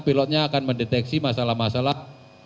pilot nya akan mendeteksi masalah masalah